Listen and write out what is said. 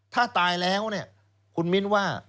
ถ้าตายแล้วเนี่ยคุณมิ้นว่า